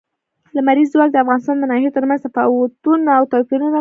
لمریز ځواک د افغانستان د ناحیو ترمنځ تفاوتونه او توپیرونه رامنځ ته کوي.